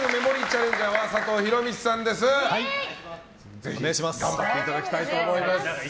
ぜひ頑張っていただきたいと思います。